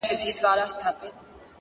چاته يادي سي كيسې په خـامـوشۍ كــي”